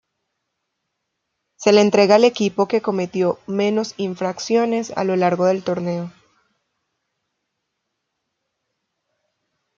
Se le entrega al equipo que cometió menos infracciones a lo largo del torneo.